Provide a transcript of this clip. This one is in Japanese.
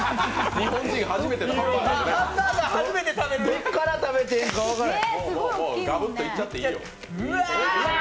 どこから食べていいか分からへん。